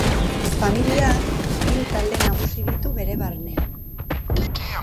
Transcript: Familiak hiru talde nagusi ditu bere barnean.